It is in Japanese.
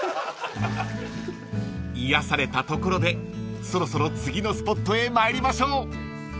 ［癒やされたところでそろそろ次のスポットへ参りましょう］